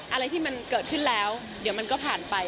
อะไรที่มันเกิดขึ้นแล้วเดี๋ยวมันก็ผ่านไป